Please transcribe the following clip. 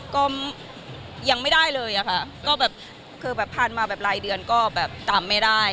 ก็ยังไม่ได้เลยอะค่ะก็แบบคือแบบผ่านมาแบบรายเดือนก็แบบตามไม่ได้